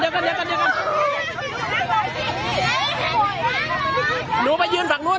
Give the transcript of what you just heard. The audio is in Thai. หนูไปยืนฝั่งนู้นยืนฝั่งนู้น